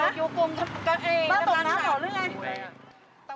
ตะวีน้ำหรือไง